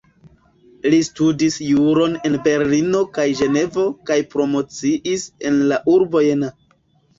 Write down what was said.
Li studis juron en Berlino kaj Ĝenevo kaj promociis en la urbo Jena.